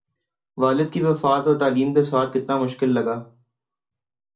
والد کی وفات اور تعلیم کے ساتھ کتنا مشکل لگا